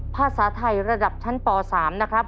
ภาษาไทยระดับชั้นป๓นะครับ